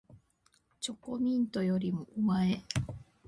チョコミントよりもおまえ